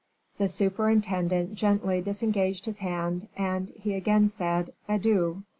The superintendent gently disengaged his hand, as he again said, "Adieu."